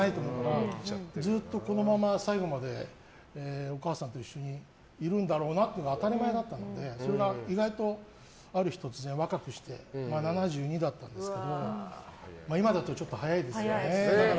ずっと、このまま最後までお母さんと一緒にいるんだろうなというのが当たり前だったのでそれが意外と、ある日突然若くして、７２だったんですけど今だとちょっと早いですよね。